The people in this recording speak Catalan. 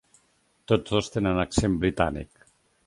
Tots dos tenen accent britànic.